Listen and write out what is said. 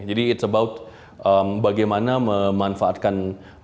jadi it's about bagaimana memanfaatkan